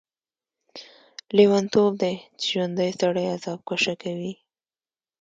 لیونتوب دی چې ژوندی سړی عذاب کشه کوي.